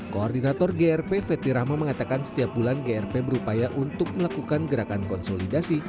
koordinator grp feti rahma mengatakan setiap bulan grp berupaya untuk melakukan gerakan konsolidasi